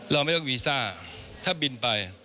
เราไม่ต้องวีซ่าถ้าบินไป